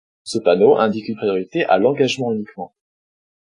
Ce panneau indique une priorité à l'engagement uniquement.